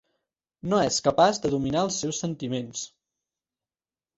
No és capaç de dominar els seus sentiments!